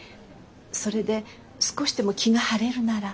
それで少しでも気が晴れるなら。